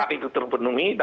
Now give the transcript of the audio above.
karena itu terpenuhi